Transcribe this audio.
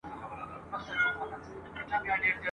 په ریاکاره ناانسانه ژبه !.